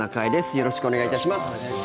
よろしくお願いします。